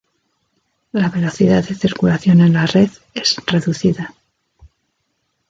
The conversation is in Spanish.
La velocidad de circulación en la red es reducida.